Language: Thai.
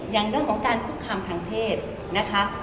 อย่างเรื่องของการคุกคามทางเพศนะคะ